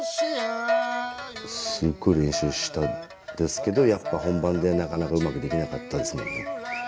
すっごい練習したんですけどやっぱ本番でなかなかうまくできなかったですもんね。